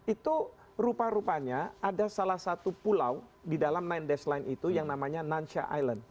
itu rupa rupanya ada salah satu pulau di dalam sembilan desline itu yang namanya nansha island